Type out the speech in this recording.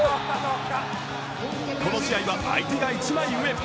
この試合は、相手が一枚上。